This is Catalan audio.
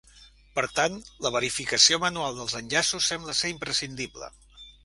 Per tant, la verificació manual dels enllaços sembla ser imprescindible.